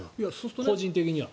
個人的には。